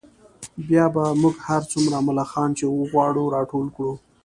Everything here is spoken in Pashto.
بیا به موږ هر څومره ملخان چې وغواړو راټول کړو